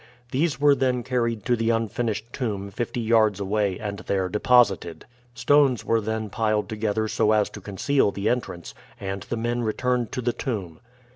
These were then carried to the unfinished tomb fifty yards away and there deposited. Stones were then piled together so as to conceal the entrance, and the men returned to the tomb.